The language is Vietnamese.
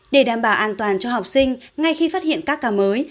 để đảm bảo an toàn cho học sinh ngay khi phát hiện các ca mới